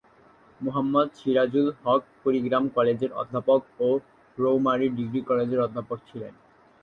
মোহাম্মদ সিরাজুল হক কুড়িগ্রাম কলেজের অধ্যাপক ও রৌমারী ডিগ্রী কলেজের অধ্যক্ষ ছিলেন।